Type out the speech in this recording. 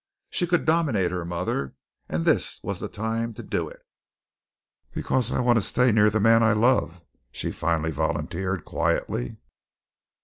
She could dominate her mother, and this was the time to do it. "Because I want to stay near the man I love," she finally volunteered quietly.